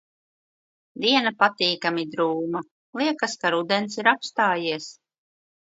Diena patīkami drūma. Liekas, ka rudens ir apstājies.